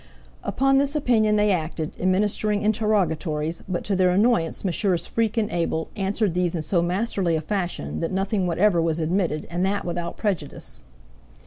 Upon this opinion they acted, administering interrogatories, but to their annoyance Messrs. Freak and Able answered these in so masterly a fashion that nothing whatever was admitted and that without prejudice.